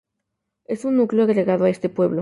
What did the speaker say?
Es un núcleo agregado a este pueblo.